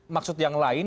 maksud yang lain